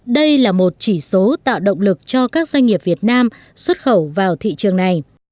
đây là một chỉ số tạo động lực cho các doanh nghiệp việt nam xuất khẩu vào thị trường này